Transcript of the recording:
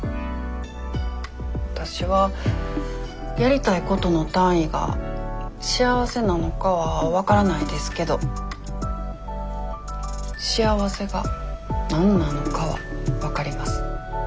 わたしはやりたいことの単位が幸せなのかは分からないですけど幸せが何なのかは分かります。